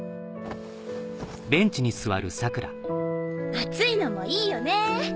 暑いのもいいよねぇ！